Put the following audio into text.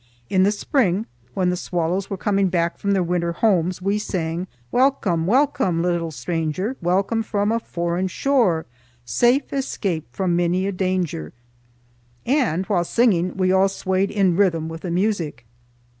In the spring when the swallows were coming back from their winter homes we sang— "Welcome, welcome, little stranger, Welcome from a foreign shore; Safe escaped from many a danger ..." and while singing we all swayed in rhythm with the music.